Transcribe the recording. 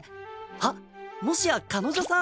あっもしや彼女さん。